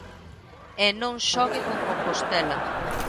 E non xogue con Compostela.